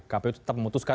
kpu tetap memutuskan